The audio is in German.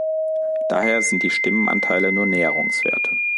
Daher sind die Stimmenanteile nur Näherungswerte.